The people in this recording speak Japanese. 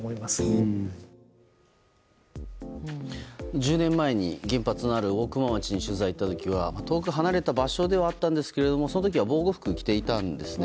１０年前に原発のある大熊町に取材に行った時は遠く離れた場所ではあったんですがその時は防護服を着ていたんですね。